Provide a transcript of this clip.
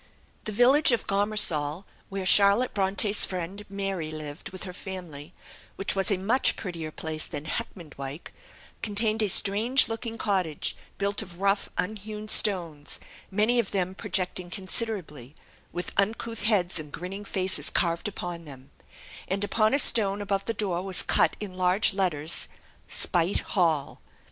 "The village of Gomersall" (where Charlotte Bronte's friend "Mary" lived with her family), "which was a much prettier place than Heckmondwike, contained a strange looking cottage, built of rough unhewn stones, many of them projecting considerably, with uncouth heads and grinning faces carved upon them; and upon a stone above the door was cut, in large letters, 'SPITE HALL.'